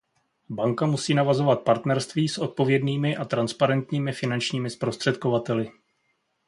Banka musí navazovat partnerství s odpovědnými a transparentními finančními zprostředkovateli.